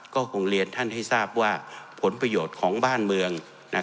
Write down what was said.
ก็คงเรียนท่านให้ทราบว่าผลประโยชน์ของบ้านเมือง